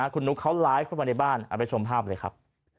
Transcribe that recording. คุณนุ๊กเขาไลฟ์เข้ามาในบ้านเอาไปชมภาพเลยครับ